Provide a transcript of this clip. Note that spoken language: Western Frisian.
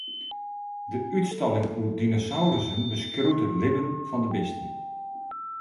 De útstalling oer dinosaurussen beskriuwt it libben fan de bisten.